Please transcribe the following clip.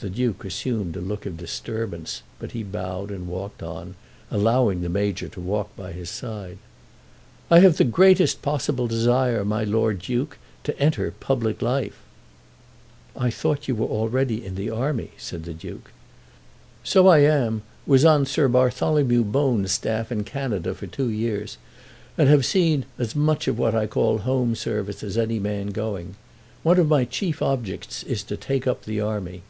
The Duke assumed a look of disturbance, but he bowed and walked on, allowing the Major to walk by his side. "I have the greatest possible desire, my Lord Duke, to enter public life." "I thought you were already in the army," said the Duke. "So I am; was on Sir Bartholomew Bone's staff in Canada for two years, and have seen as much of what I call home service as any man going. One of my chief objects is to take up the army."